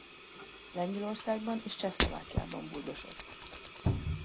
Lengyelországban és Csehszlovákiában bujdosott.